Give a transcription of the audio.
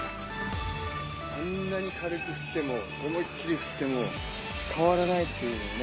あんなに軽く振っても思いっ切り振っても変わらないというね。